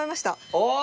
お！